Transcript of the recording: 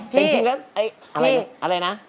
พี่อะไรนะ